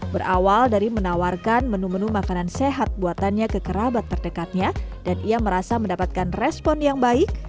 berawal dari menawarkan menu menu makanan sehat buatannya ke kerabat terdekatnya dan ia merasa mendapatkan respon yang baik